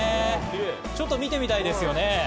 ちょっと見てみたいですよね。